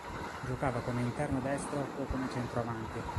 Giocava come interno destro o come centravanti.